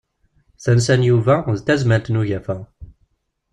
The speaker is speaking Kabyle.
Tansa n Yuba d Tazmalt n ugafa.